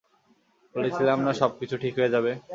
বলেছিলাম না সবকিছু ঠিক হয়ে যাবে!